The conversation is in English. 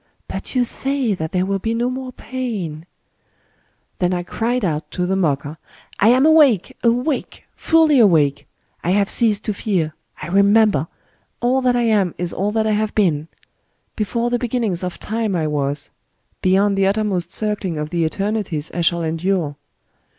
But you say that there will be no more pain !..." Then I cried out to the mocker :—I am awake — awake — fiiUy awake ! I have ceased to fear ;— I remember !... All that I am is all that I have been. Before the beginnings of Time I was ;— beyond the uttermost circling of the Eternities I shall endure.